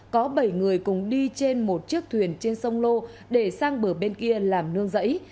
có bảy người cùng đi trên một chiếc thuyền trên sông lô để sang bờ bên kia làm nương rẫy